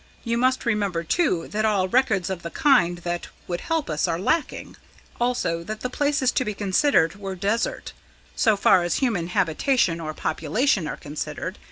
You must remember, too, that all records of the kind that would help us are lacking. Also, that the places to be considered were desert, so far as human habitation or population are considered.